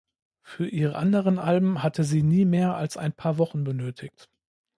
Für ihre anderen Alben hatte sie nie mehr als ein paar Wochen benötigt.